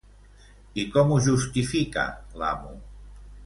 I com ho justifica l'amo?